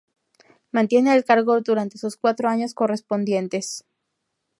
Mantiene el cargo durante sus cuatro años correspondientes.